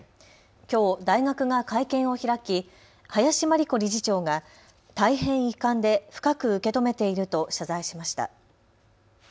きょう大学が会見を開き林真理子理事長が大変遺憾で深く受け止めていると謝罪しました。